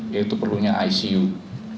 yaitu perlunya perubahan